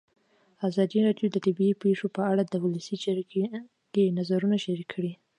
ازادي راډیو د طبیعي پېښې په اړه د ولسي جرګې نظرونه شریک کړي.